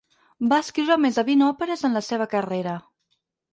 Va escriure més de vint òperes en la seva carrera.